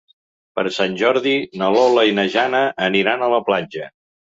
Per Sant Jordi na Lola i na Jana aniran a la platja.